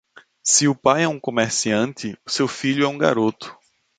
Se o pai é um comerciante, seu filho é um garoto.